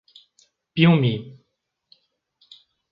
Piumhi